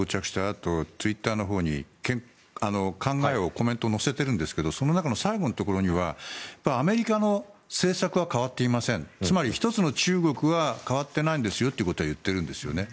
あとツイッターのほうに考えを、コメントを載せているんですがその中の最後のところにはアメリカの政策は変わっていませんつまり一つの中国は変わってないんですよということは言っているんですよね。